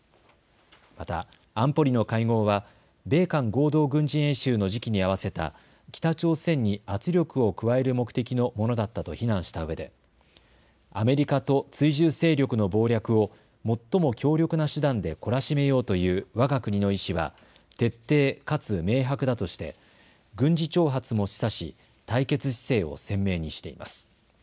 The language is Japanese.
また安保理の会合は米韓合同軍事演習の時期に合わせた北朝鮮に圧力を加える目的のものだったと非難したうえでアメリカと追従勢力の謀略を最も強力な手段で懲らしめようというわが国の意志は徹底かつ明白だとして軍事挑発も示唆し対決姿勢を鮮明にしています。